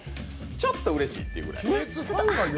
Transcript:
ちょっとうれしいっていうぐらい。